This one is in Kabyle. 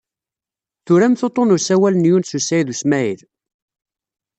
Turamt uḍḍun n usawal n Yunes u Saɛid u Smaɛil?